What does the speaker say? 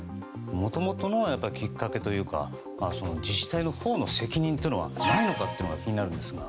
もともとのきっかけというか自治体の責任がないのかというのが気になりますが。